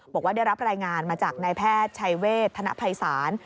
บอกว่าได้รับรายงานมาจากนายแพทย์ชัยเวทธนภัยศาล